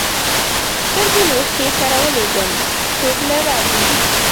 سترګي له اوښکو سره ولېږم څوک نه را ګوري